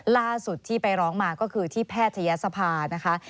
ล่าสุดที่ไปร้องมาก็คือที่แพทยศภานะคะ